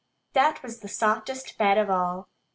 That was the softest bed of all.